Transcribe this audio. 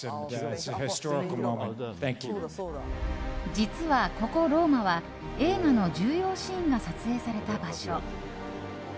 実は、ここローマは映画の重要シーンが撮影された場所。